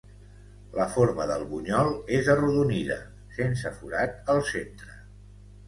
La forma del bunyol és arrodonida, sense forat al centre.